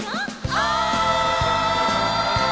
「おい！」